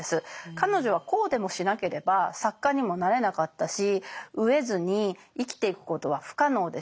彼女はこうでもしなければ作家にもなれなかったし飢えずに生きていくことは不可能でした。